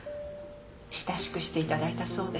親しくしていただいたそうで。